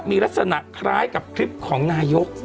มีลักษณะคล้ายกับคลิปของนายก